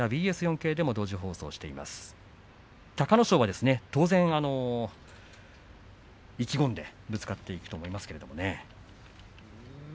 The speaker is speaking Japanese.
隆の勝も当然、意気込んでぶつかっていくと思いますね。